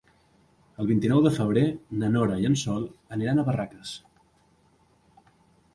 El vint-i-nou de febrer na Nora i en Sol aniran a Barraques.